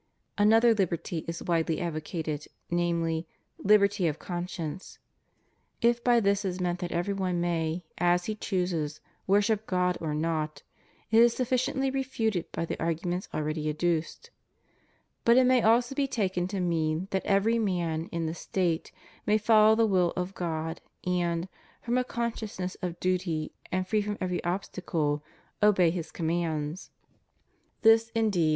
Another liberty is widely advocated, namel)^, liberty of conscience. If by this is meant that every one may, as he chooses, worship God or not, it is sufficiently refuted by the arguments already adduced. But it may also be taken to mean that every man in the State may follow the will of God and, from a consciousness of duty and free from every obstacle, obey His commands. This, indeed, 156 HUMAN LIBERTY.